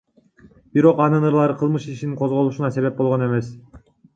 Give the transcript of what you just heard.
Бирок анын ырлары кылмыш ишинин козголушуна себеп болгон эмес.